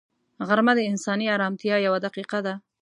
غرمه د انساني ارامتیا یوه دقیقه ده